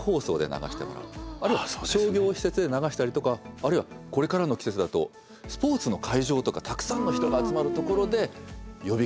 あるいは商業施設で流したりとかあるいはこれからの季節だとスポーツの会場とかたくさんの人が集まるところで呼びかける。